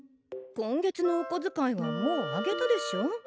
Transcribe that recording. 今月のおこづかいはもうあげたでしょ。